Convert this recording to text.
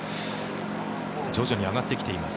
徐々に上がってきています。